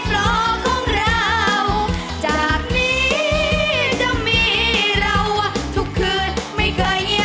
สามสองช่องไทยรัสทีวี